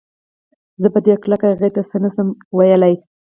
زه په دې هکله هغې ته څه نه شم ويلی